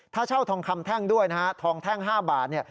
ถ้าเช่าทองคำแท่งด้วยนะฮะทองแท่ง๕บาทเนี่ย